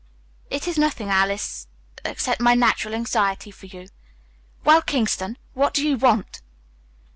"It is nothing, Alice, except my natural anxiety for you Well, Kingston, what do you want?"